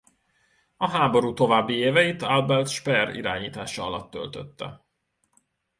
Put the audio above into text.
A háború további éveit Albert Speer irányítása alatt töltötte.